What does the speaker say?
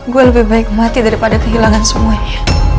gue lebih baik mati daripada kehilangan semuanya